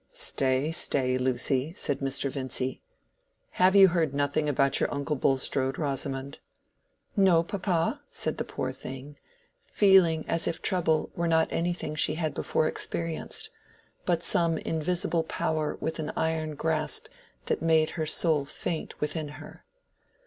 "Stay, stay, Lucy," said Mr. Vincy. "Have you heard nothing about your uncle Bulstrode, Rosamond?" "No, papa," said the poor thing, feeling as if trouble were not anything she had before experienced, but some invisible power with an iron grasp that made her soul faint within her.